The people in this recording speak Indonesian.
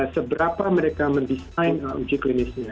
seberapa mereka mendesain uji klinisnya